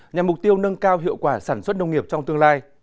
nhằm mục tiêu nâng cao hiệu quả sản xuất nông nghiệp trong tương lai